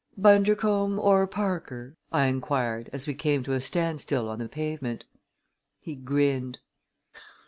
"Bundercombe or Parker?" I inquired as we came to a standstill on the pavement. He grinned.